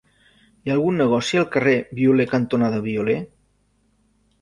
Hi ha algun negoci al carrer Violer cantonada Violer?